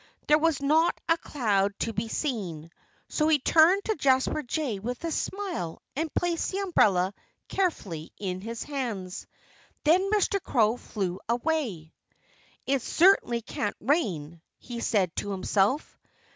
There was not a cloud to be seen. So he turned to Jasper Jay with a smile and placed the umbrella carefully in his hands. Then Mr. Crow flew away. "It certainly can't rain," he said to himself.